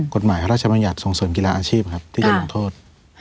พระราชบัญญัติส่งเสริมกีฬาอาชีพครับที่จะลงโทษ